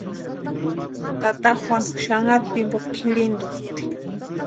Tata Juanu xanharu jimpo kʼirhintuspti.